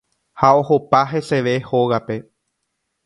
ha ohopa heseve hógape.